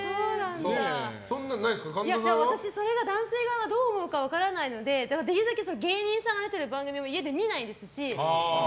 私、男性側がどう思うか分からないのでできるだけ芸人さんが出てる番組は家で見ないですし。